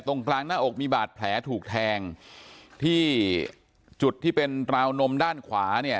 ตรงกลางหน้าอกมีบาดแผลถูกแทงที่จุดที่เป็นราวนมด้านขวาเนี่ย